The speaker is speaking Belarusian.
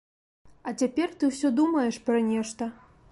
А цяпер ты ўсё думаеш пра нешта.